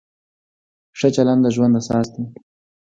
ښه چلند د ژوند اساس دی.